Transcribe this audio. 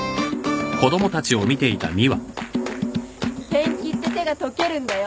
ペンキって手が溶けるんだよ。